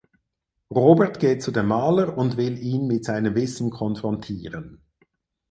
Robert geht zu dem Maler und will ihn mit seinem Wissen konfrontieren.